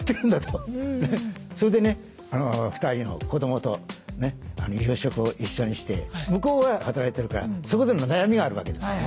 それでね２人の子どもと夕食を一緒にして向こうは働いてるからそこでの悩みがあるわけですよね。